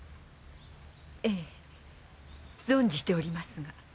ええ存じておりますが。